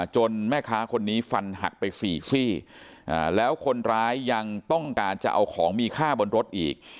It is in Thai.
แม่ค้าคนนี้ฟันหักไปสี่ซี่แล้วคนร้ายยังต้องการจะเอาของมีค่าบนรถอีก